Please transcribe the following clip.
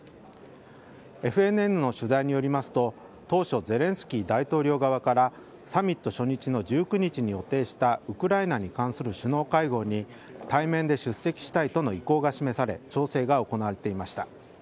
ＦＮＮの取材によりますと当初、ゼレンスキー大統領側からサミット初日の１９日に予定したウクライナに関する首脳会合に対面で出席したいとの意向が示され調整が行われていました。